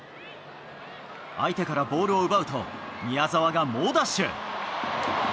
相手からボールを奪うと、宮澤が猛ダッシュ。